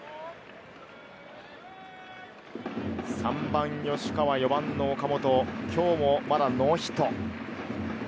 ３番・吉川、４番の岡本、今日もまだノーヒット。